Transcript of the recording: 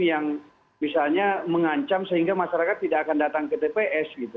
yang misalnya mengancam sehingga masyarakat tidak akan datang ke tps gitu